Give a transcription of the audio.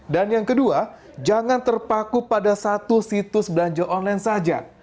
dan yang kedua jangan terpaku pada satu situs belanja online saja